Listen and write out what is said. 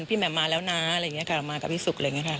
พี่แหม่มมาแล้วนะอะไรอย่างเงี้ยกลับมากับพี่สุกอะไรอย่างเงี้ยค่ะ